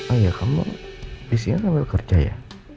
oh iya kamu disini sambil kerja ya